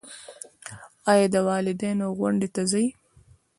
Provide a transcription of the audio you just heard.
ایا د والدینو غونډې ته ځئ؟